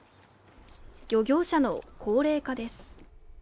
漁業者の高齢化です。